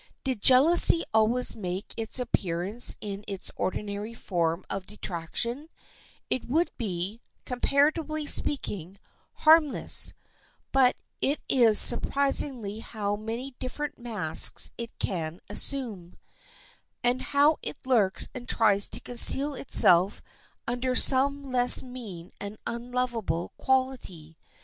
Did jealousy always make its appearance in its ordinary form of detraction, it would be, comparatively speaking, harmless; but it is surprising how many different masks it can assume, and how it lurks and tries to conceal itself under some less mean and unlovable quality.